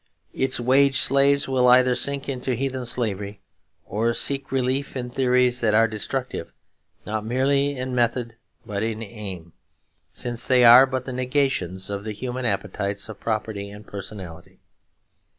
Its wage slaves will either sink into heathen slavery, or seek relief in theories that are destructive not merely in method but in aim; since they are but the negations of the human appetites of property and personality.